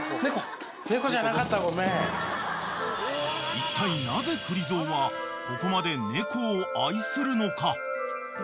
［いったいなぜくり蔵はここまで猫を愛するのか］